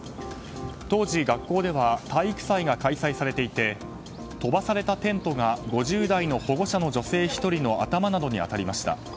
当時、学校では体育祭が開催されていて飛ばされたテントが５０代の保護者の女性１人の頭などに当たりました。